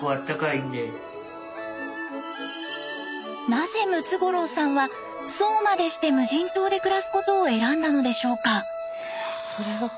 なぜムツゴロウさんはそうまでして無人島で暮らすことを選んだのでしょうか？